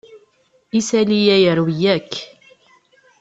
Isali-a yerwi-yi akk.